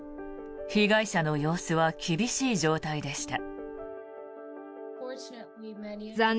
被害者の様子は厳しい状態でした。